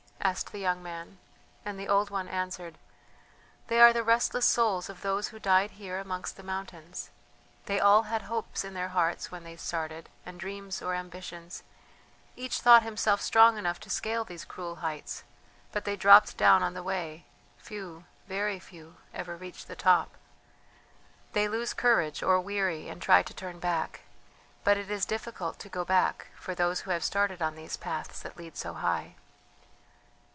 asked the young man, and the old one answered: "They are the restless souls of those who died here amongst the mountains. They all had hopes in their hearts when they started, and dreams or ambitions; each thought himself strong enough to scale these cruel heights, but they dropped down on the way; few, very few, ever reach the top. They lose courage or weary and try to turn back; but it is difficult to go back for those who have started on these paths that lead so high."